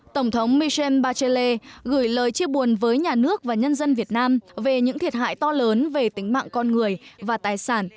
tổng thống michel bache gửi lời chia buồn với nhà nước và nhân dân việt nam về những thiệt hại to lớn về tính mạng con người và tài sản